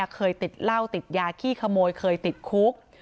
เคยติดเหล้าติดยาขี้ขโมยเคยติดคุก